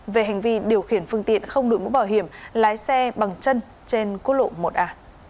về hành vi điều khiển phương tiện không đuổi mũ bảo hiểm lái xe bằng chân trên cốt lộ một a